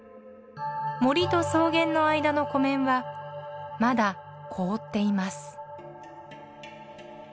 森と草原の間の湖面はまだ凍っています。